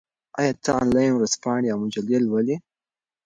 آیا ته انلاین ورځپاڼې او مجلې لولې؟